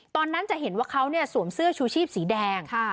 ตอนนั้นจะเห็นว่าเขาสวมเสื้อชูชีพสีแดง